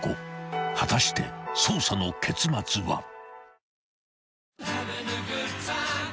［果たして捜査の結末は］